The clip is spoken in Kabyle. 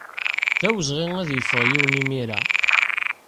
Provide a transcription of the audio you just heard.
D awezɣi ad yeffeɣ yiwen imir-a.